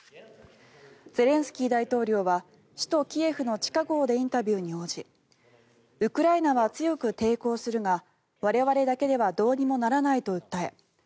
ゼレンスキー大統領は首都キエフの地下壕でインタビューに応じウクライナは強く抵抗するが我々だけではどうにもならないと訴え